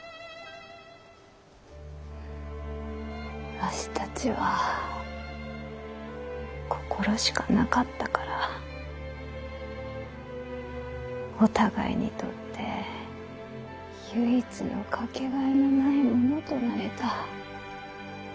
わしたちは心しかなかったからお互いにとって唯一のかけがえのない者となれた。